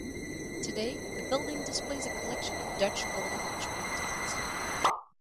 Today, the building displays a collection of Dutch Golden Age paintings.